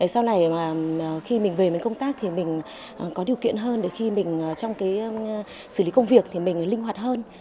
sau này mà khi mình về mình công tác thì mình có điều kiện hơn để khi mình trong cái xử lý công việc thì mình linh hoạt hơn